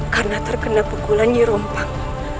karena terkena pukulan nyerompang